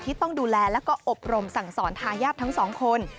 ที่ต้องดูแลแล้วก็อบรมสั่งสอนทายาททั้งสองคน